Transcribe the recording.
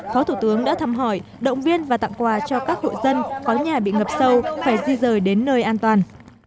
phó thủ tướng đã thăm hỏi động viên và tặng quà cho các hộ dân có nhà bị ngập sâu phải di rời đến nơi an toàn